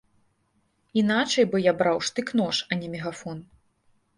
Іначай бы я браў штык-нож, а не мегафон.